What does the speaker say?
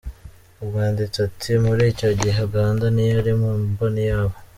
Umwanditsi ati “Muri icyo gihe, Uganda ntiyari mu mboni yabo.